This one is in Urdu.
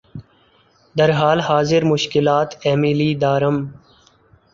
در حال حاضر مشکلات ایمیلی دارم